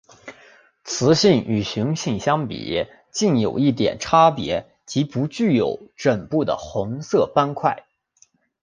雌性与雄性相比近有一点差别即不具有枕部的红色斑块。